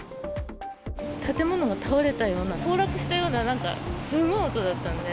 建物が倒れたような、崩落したような、なんかすごい音だったんで。